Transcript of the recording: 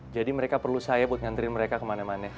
jadi mereka perlu saya buat ngantriin mereka kemana mana